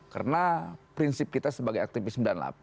karena prinsip kita sebagai aktivis sembilan puluh delapan